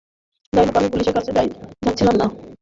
যাইহোক আমি পুলিশের কাছে যাচ্ছিলাম না।